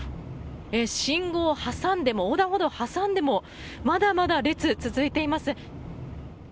信号挟んで横断歩道を挟んでもまだまだ列、続いています。